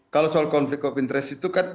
kalau soal konflik of interest itu kan